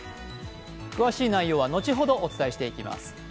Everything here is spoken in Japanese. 詳しい内容は後ほどお伝えしていきます。